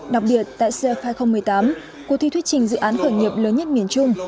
đặc biệt tại sê phai hai nghìn một mươi tám cuộc thi thuyết trình dự án khởi nghiệp lớn nhất miền trung